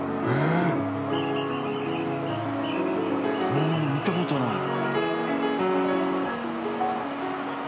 こんなの見たことない。